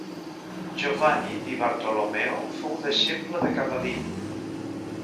Giovanni di Bartolommeo fou deixeble de Cavallini.